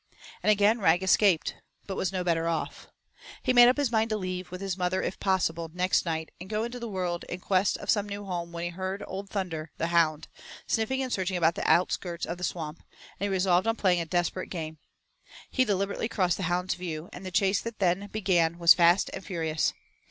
And again Rag escaped, but was no better off. He made up his mind to leave, with his mother, if possible, next night and go into the world in quest of some new home when he heard old Thunder, the hound, sniffing and searching about the outskirts of the swamp, and he resolved on playing a desperate game. He deliberately crossed the hound's view, and the chase that then began was fast and furious.